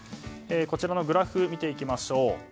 こちらのグラフを見ていきましょう。